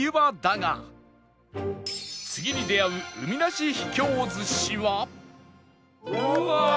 次に出会う海なし秘境寿司は？